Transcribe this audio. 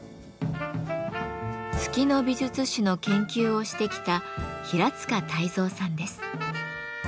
月の美術史の研究をしてきた平塚泰三さんです。